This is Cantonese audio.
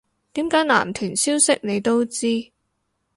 點解男團消息你都知